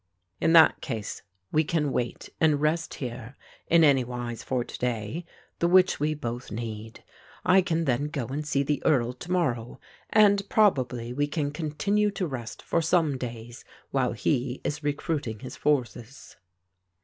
"In that case we can wait and rest here, in any wise for to day, the which we both need. I can then go and see the Earl to morrow and probably we can continue to rest for some days while he is recruiting his forces."